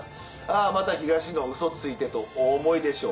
「あまた東野ウソついて」とお思いでしょう。